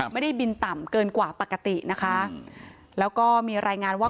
ไม่ได้บินต่ำเกินกว่าปกตินะคะแล้วก็มีรายงานว่า